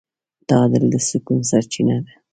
تعادل د سکون سرچینه ده.